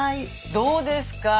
どうですか？